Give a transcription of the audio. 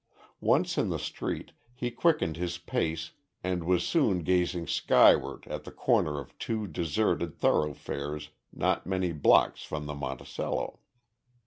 Once in the street, he quickened his pace and was soon gazing skyward at the corner of two deserted thoroughfares not many blocks from the Monticello.